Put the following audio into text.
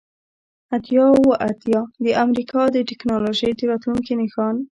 اتیا اوه اتیا د امریکا د ټیکنالوژۍ د راتلونکي نښان